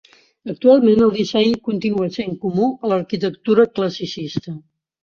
Actualment, el disseny continua sent comú a l'arquitectura classicista.